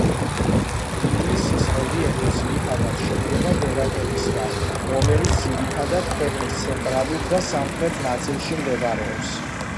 ნგლისის რელიეფი, ძირითადად, შედგება გორაკებისგან რომელიც ძირითადად ქვეყნის ცენტრალურ და სამხრეთ ნაწილში მდებარეობს